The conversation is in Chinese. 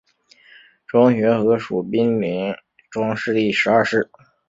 庄学和属毗陵庄氏第十二世。